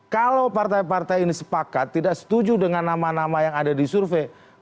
kalau partai partai ini sepakat tidak setuju dengan nama nama yang ada di survei